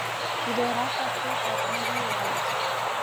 Il est remplacé par Henry White.